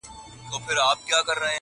له وطنه څخه لیري مساپر مه وژنې خدایه!!